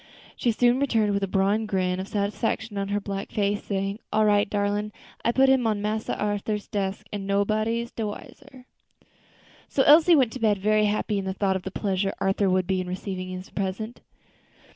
She soon returned with a broad grin of satisfaction on her black face, saying, "All right, darlin', I put him on Massa Arthur's desk, an' nobody de wiser." So Elsie went to bed very happy in the thought of the pleasure Arthur would have in receiving her present.